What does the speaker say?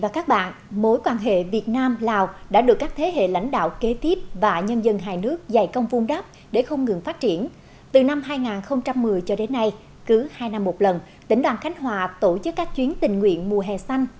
các bạn hãy đăng ký kênh để ủng hộ kênh của chúng mình nhé